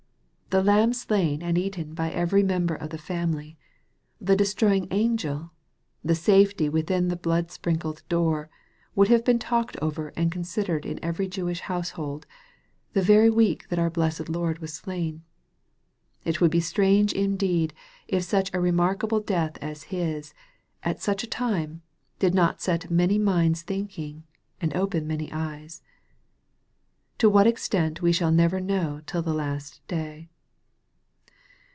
The lamb slain and eaten by every member of the family the destroying angel the safety within the blood sprinkled door, would have been talked over and considered in every Jewish household, the very week that our blessed Lord was slain. It would be strange indeed if such a remarkable death as His, at such a time, did not set many minds thinking, and open many eyes. To what extent we shall never know till the last day.